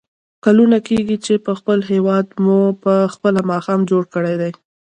کلونه کېږي چې په خپل هېواد مو په خپله ماښام جوړ کړی دی.